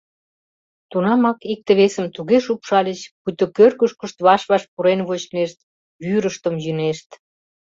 Тунамак икте-весым туге шупшальыч, пуйто кӧргышкышт ваш-ваш пурен вочнешт, вӱрыштым йӱнешт...